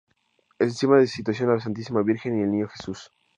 Encima se sitúan la Santísima Virgen y el Niño Jesús.